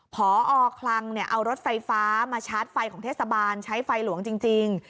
พอคลังเอารถไฟฟ้ามาชาร์จไฟของเทศบาลใช้ไฟหลวงจริง